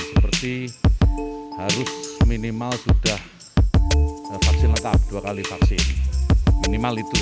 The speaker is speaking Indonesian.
seperti harus minimal sudah vaksin lengkap dua kali vaksin minimal itu